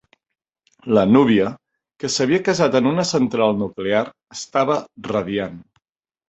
La núvia, que s'havia casat en una central nuclear, estava radiant.